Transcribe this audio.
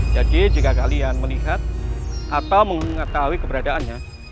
jadi jika kalian melihat atau mengetahui keberadaannya